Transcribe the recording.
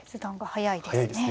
速いですね。